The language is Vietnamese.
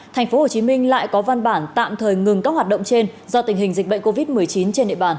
tp hcm lại có văn bản tạm thời ngừng các hoạt động trên do tình hình dịch bệnh covid một mươi chín trên địa bàn